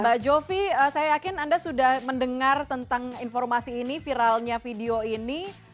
mbak jovi saya yakin anda sudah mendengar tentang informasi ini viralnya video ini